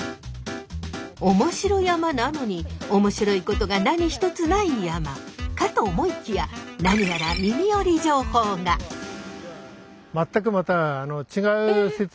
面白山なのに面白いことが何一つない山かと思いきや何やらいるんです。